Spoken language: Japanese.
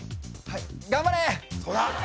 はい頑張れ！